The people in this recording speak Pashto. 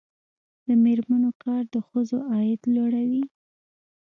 د میرمنو کار د ښځو عاید لوړوي.